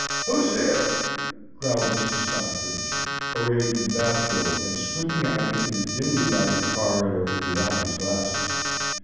"Who's there?" growled Mr. Stockbridge, arrayed in a bath robe and squinting out into the dimly lighted corridor without his glasses.